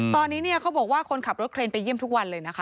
ตอนนี้เนี่ยเขาบอกว่าคนขับรถเครนไปเยี่ยมทุกวันเลยนะคะ